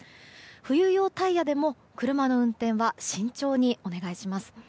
冬用タイヤでも車の運転は慎重にお願いします。